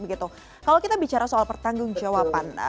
kalau kita bicara soal pertanggung jawaban